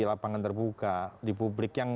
lapangan terbuka di publik yang